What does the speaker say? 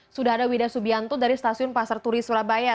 sudah ada wida subianto dari stasiun pasar turi surabaya